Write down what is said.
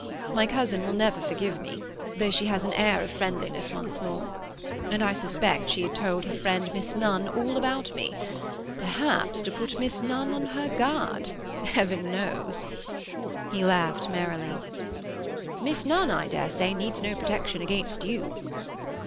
My cousin will never forgive me, though she has an air of friendliness once more. And I suspect she had told her friend Miss Nunn all about me. Perhaps to put Miss Nunn on her guard—Heaven knows!" He laughed merrily. "Miss Nunn, I dare say, needs no protection against you."